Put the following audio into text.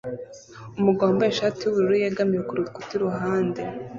Umugabo wambaye ishati yubururu yegamiye kurukuta iruhande